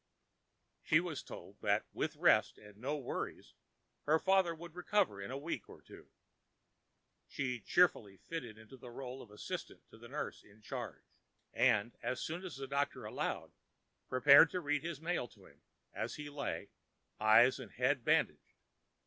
She was told that with rest and no worries, her father would recover in a week or two. She cheerfully fitted into the rôle of assistant to the nurse in charge, and, as soon as the doctor allowed, prepared to read his mail to him as he lay, eyes and head bandaged.